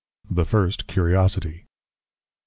THE FIRST CURIOSITIE.